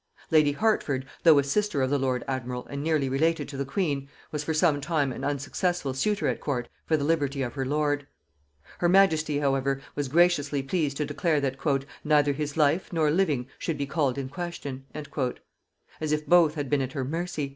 Lady Hertford, though a sister of the lord admiral and nearly related to the queen, was for some time an unsuccessful suitor at court for the liberty of her lord. Her majesty however was graciously pleased to declare that "neither his life nor living should be called in question;" as if both had been at her mercy!